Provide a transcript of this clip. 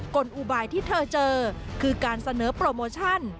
กลอุบายที่เธอเจอคือการเสนอโปรโมชั่น